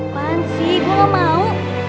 apaan sih gue gak mau